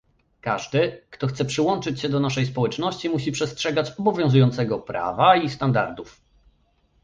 Każdy, kto chce przyłączyć się do naszej społeczności musi przestrzegać obowiązującego prawa i standardów